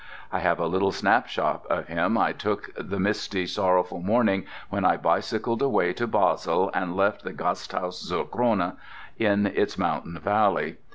I have a little snapshot of him I took the misty, sorrowful morning when I bicycled away to Basel and left the Gasthaus zur Krone in its mountain valley.